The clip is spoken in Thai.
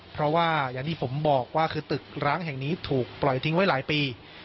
เพราะว่าอย่างที่ผมบอกว่าคือตึกร้างแห่งนี้ถูกปล่อยทิ้งไว้หลายปี